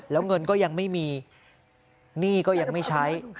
แล้วเงินก็ยังไม่มีหนี้ก็ยังไม่ใช้